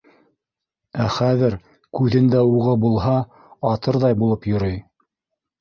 Ә хәҙер күҙендә уғы булһа — атырҙай булып йөрөй.